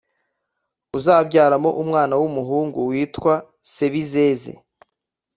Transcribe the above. uzabyaramo umwana w’umuhungu witwa Sebizeze